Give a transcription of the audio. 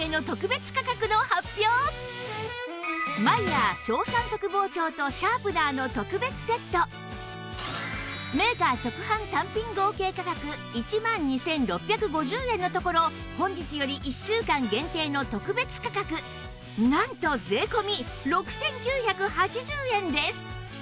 ではマイヤー小三徳包丁とシャープナーの特別セットメーカー直販単品合計価格１万２６５０円のところ本日より１週間限定の特別価格なんと税込６９８０円です